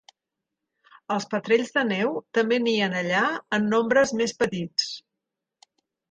Els petrells de neu també nien allà en nombres més petits.